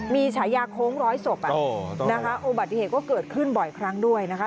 มีฉายาโค้งร้อยศพนะคะอุบัติเหตุก็เกิดขึ้นบ่อยครั้งด้วยนะคะ